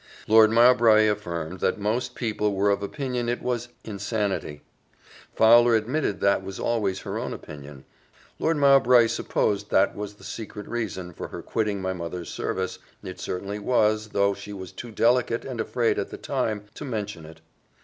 Lord Mowbray affirmed that most people were of opinion it was insanity. Fowler admitted that was always her own opinion Lord Mowbray supposed that was the secret reason for her quitting my mother's service it certainly was, though she was too delicate, and afraid at the time, to mention it.